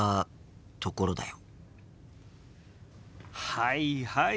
はいはい。